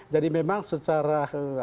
jadi memang secara